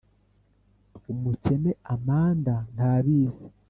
umukene amanda ntabizi